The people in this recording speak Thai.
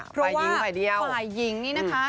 ฝ่ายหญิงฝ่ายเดียวฝ่ายหญิงนี่นะคะ